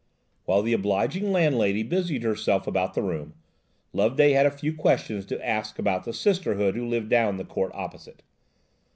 While the obliging landlady busied herself about the room, Loveday had a few questions to ask about the Sisterhood who lived down the court opposite.